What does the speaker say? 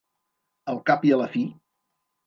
Al cap i a la fi.